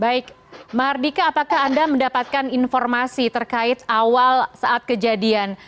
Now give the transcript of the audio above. baik mardika apakah anda mendapatkan informasi terkait awal saat kejadian